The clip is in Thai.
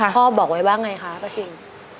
พ่อบอกไว้ว่าไงคะป้าชิ้น